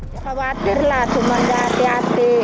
jangan khawatir lah cuma hati hati